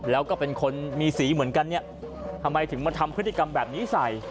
แล้วก็เป็นคนมีสีเหมือนกันเนี่ยทำไมถึงมาทำพฤติกรรมแบบนี้ใส่